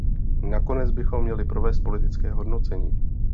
Nakonec bychom měli provést politické hodnocení.